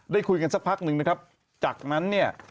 ได้คุยกันสักพักหนึ่งนะครับจากนั้นเนี่ย